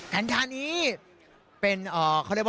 การค่านี้